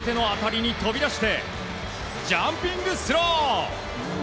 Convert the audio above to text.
ぼてぼての当たりに飛び出してジャンピングスロー。